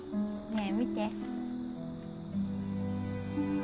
ねえ見て。